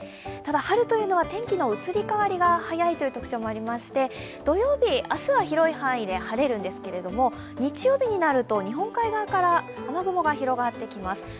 ただ、春というのは天気の移り変わりが早いという特徴もありまして土曜日、明日は広い範囲で晴れるんですけれども日曜日になると日本海側から雨雲が広がってきます。